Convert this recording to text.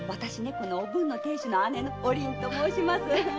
このおぶんの亭主の姉のお凛と申します。